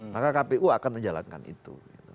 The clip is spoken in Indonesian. maka kpu akan menjalankan itu